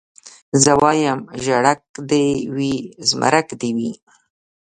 زه وايم ژړک دي وي زمرک دي وي